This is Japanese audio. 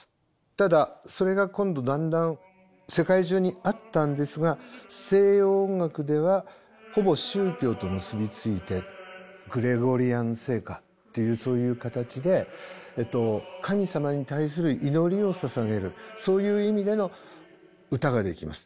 ただそれが今度だんだん世界中にあったんですが西洋音楽ではほぼ宗教と結び付いてグレゴリアン聖歌っていうそういう形で神様に対する祈りをささげるそういう意味での歌ができます。